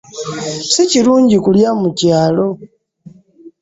Si kirungi mwa kulya mu kyalo.